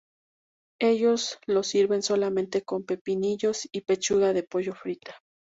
Ellos lo sirven solamente con pepinillos y pechuga de pollo frita.